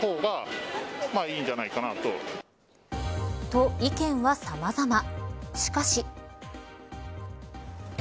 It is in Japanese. と、意見はさまざま。